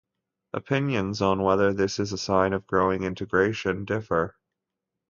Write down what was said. Opinions on whether this is a sign of growing integration differ.